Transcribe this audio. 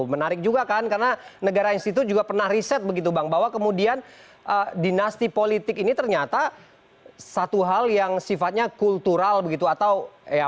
menarik juga kan karena negara institut juga pernah riset begitu bang bahwa kemudian dinasti politik ini ternyata satu hal yang sifatnya kultural begitu atau ya